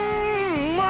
うまい！